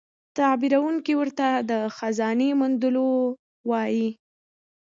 تعبیرونکی ورته د خزانې موندلو وايي.